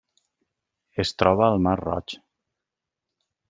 Es troba al mar Roig.